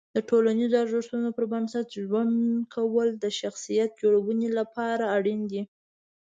د ټولنیزو ارزښتونو پر بنسټ ژوند کول د شخصیت جوړونې لپاره اړین دي.